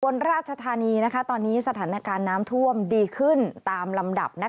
ราชธานีตอนนี้สถานการณ์น้ำท่วมดีขึ้นตามลำดับ